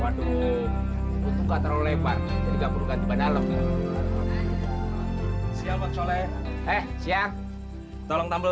waduh enggak terlalu lebar jadi gabungkan badan alam siapa soleh eh siang tolong tambah